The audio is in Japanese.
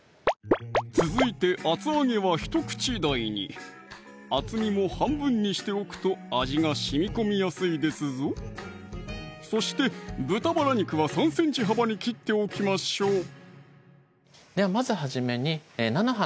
続いて厚揚げは１口大に厚みも半分にしておくと味がしみこみやすいですぞそして豚バラ肉は３ｃｍ幅に切っておきましょうではまず初めに菜の花